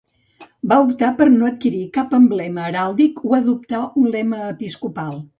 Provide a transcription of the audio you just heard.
Va optar per no adquirir cap emblema heràldic o adoptar un lema episcopal.